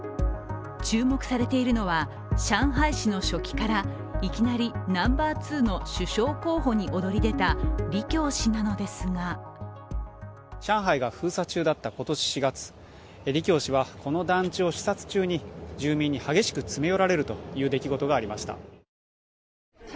注目されているのは上海市の書記からいきなりナンバー２の首相候補に躍り出た李強氏なのですが上海が封鎖中だった今年４月、李強氏はこの団地を視察中、住民に激しく詰め寄られるという出来事がありました。